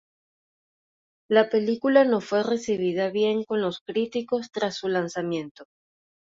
La película no fue recibida bien con los críticos tras su lanzamiento.